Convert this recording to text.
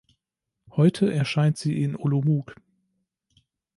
Heute erscheint sie in Olomouc.